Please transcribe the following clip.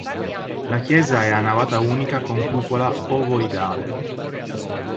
La chiesa è a navata unica con cupola ovoidale.